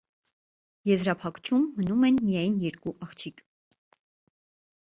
Եզրափակչում մնում են միայն երկու աղջիկ։